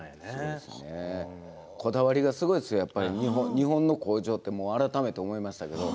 日本の工場って改めて思いましたけれど。